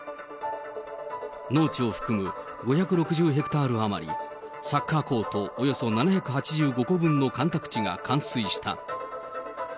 農地を含む５６０ヘクタール余り、サッカーコートおよそ７８５個分の干拓地が冠水した。